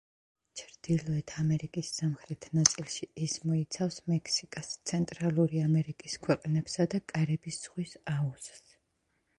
ჩრდილოეთ ამერიკის სამხრეთ ნაწილში ის მოიცავს მექსიკას, ცენტრალური ამერიკის ქვეყნებსა და კარიბის ზღვის აუზს.